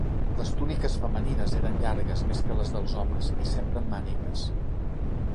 Les túniques femenines eren llargues, més que les dels homes, i sempre amb mànigues.